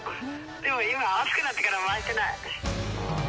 でも今は暑くなってきたから回してない。